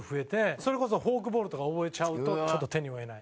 それこそフォークボールとか覚えちゃうとちょっと手に負えない。